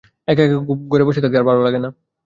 একা-একা ঘরে বসে থাকতে ভারো লাগে না।